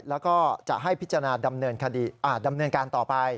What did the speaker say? แล้วก็จะให้พิจารณาดำเนินการต่อไป